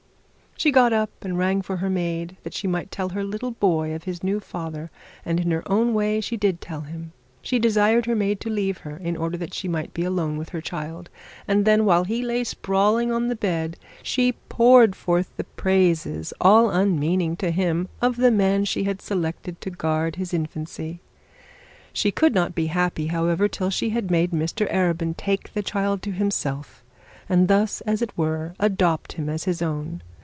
She got up and rang for her maid that she might tell her little boy of his new father; and in her own way she did tell him. She desired her maid to leave her, in order that she might be alone with her child; and there, while he lay sprawling on the bed, she poured forth the praises, so unmeaning to him, of the man she had selected to guard his infancy. She could not be happy, however, till she had made Mr Arabin take the child to himself, and thus, as it were, adopt him as his own.